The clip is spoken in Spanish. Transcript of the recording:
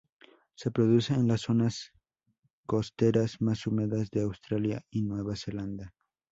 Se produce en las zonas costeras más húmedas de Australia y Nueva Zelanda.